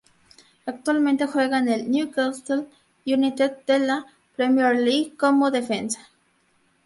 Actualmente juega en el Newcastle United de la Premier League como Defensa.